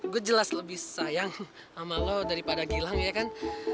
gue jelas lebih sayang sama lo daripada gilang ya kan